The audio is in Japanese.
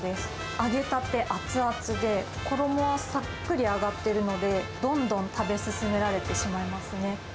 揚げたて熱々で、衣はさっくり揚がっているので、どんどん食べ進められてしまいますね。